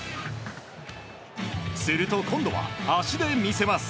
すると今度は、足で見せます。